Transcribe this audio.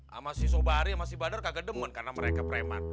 sama si sobari sama si badar kagak demen karena mereka preman